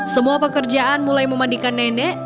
semua pekerjaan mulai memandikan nenek